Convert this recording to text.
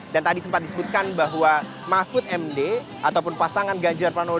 dan tadi sempat disebutkan bahwa mahfud md ataupun pasangan ganjar pranowo